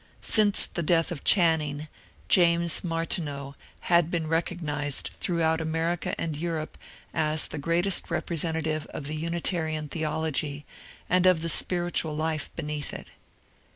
Since the death of Channing, James Martineau had been recognized through out America and Europe as the greatest representative of the Unitarian theology and of the spiritual life beneath it.